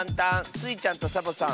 スイちゃんとサボさん